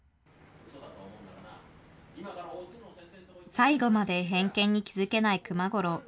最後まで偏見に気付けない熊五郎。